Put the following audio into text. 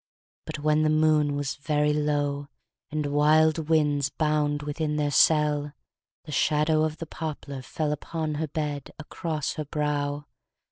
But when the moon was very low, And wild winds bound within their cell, The shadow of the poplar fell Upon her bed, across her brow.